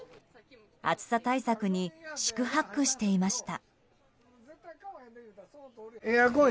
暑さ対策に四苦八苦していました。